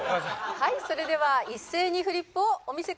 はいそれでは一斉にフリップをお見せください。